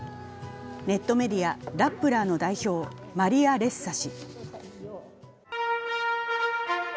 ネットメディア「ラップラー」の代表、マリア・レッサ氏。